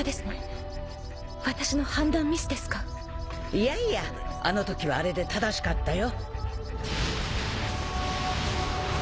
い笋いあの時はあれで正しかったよ。